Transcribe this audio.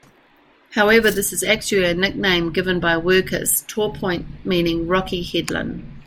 However this is actually a nickname given by workers, Torpoint meaning "rocky headland".